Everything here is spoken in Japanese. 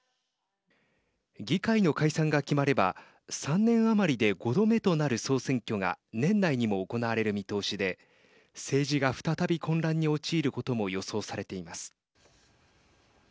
議会の解散が決まれば３年余りで５度目となる総選挙が年内にも行われる見通しで政治が再び混乱に陥ることも予想されています。